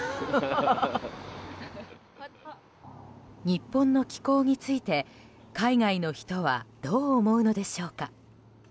日本の気候について海外の人はどう思うのでしょうか。